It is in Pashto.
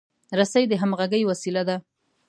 رسۍ د همغږۍ وسیله ده.